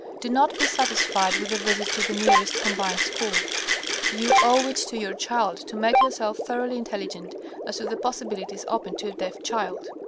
Do not be satisfied with a visit to the nearest "combined" school. You owe it to your child to make yourself thoroughly intelligent as to the possibilities open to a deaf child.